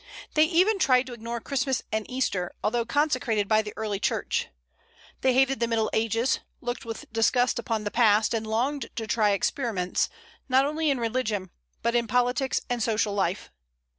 They even tried to ignore Christmas and Easter, though consecrated by the early Church. They hated the Middle Ages, looked with disgust upon the past, and longed to try experiments, not only in religion, but in politics and social life.